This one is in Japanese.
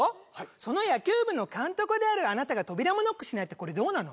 その野球部の監督であるあなたが扉もノックしないってどうなの？